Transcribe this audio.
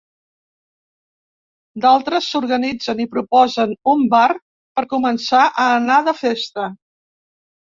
D'altres s'organitzen i proposen un bar per començar a anar de festa.